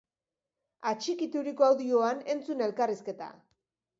Atxikituriko audioan entzun elkarrizketa!